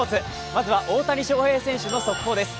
まずは大谷翔平選手の速報です。